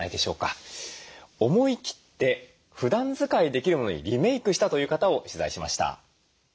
思い切ってふだん使いできるものにリメイクしたという方を取材しました。